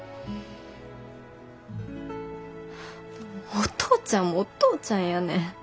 お父ちゃんもお父ちゃんやねん。